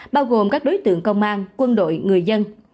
bao gồm các đối tượng công an quân đội người dân